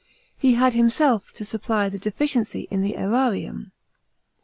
He had himself to supply the deficiency in the aararium.